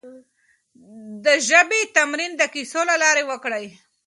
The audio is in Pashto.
د ژبې تمرين د کيسو له لارې وکړئ.